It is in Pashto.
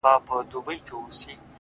یو اروامست د خرابات په اوج و موج کي ویل؛